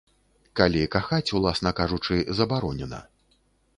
Калі кахаць, уласна кажучы, забаронена.